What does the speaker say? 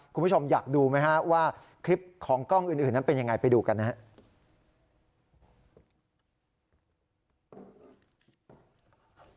คุณผู้ชมอยากดูไหมฮะว่าคลิปของกล้องอื่นนั้นเป็นยังไงไปดูกันนะครับ